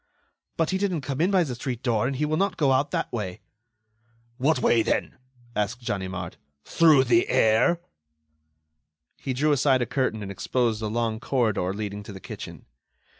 "But he didn't come in by the street door, and he will not go out that way." "What way, then?" asked Ganimard. "Through the air?" He drew aside a curtain and exposed a long corridor leading to the kitchen.